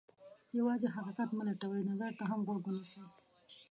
یوازې حقیقت مه لټوئ، نظر ته هم غوږ ونیسئ.